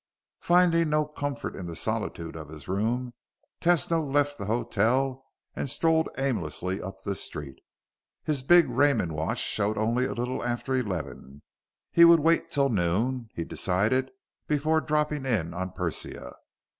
Finding no comfort in the solitude of his room, Tesno left the hotel and strolled aimlessly up the street. His big Raymond watch showed only a little after eleven. He would wait till noon, he decided, before dropping in on Persia.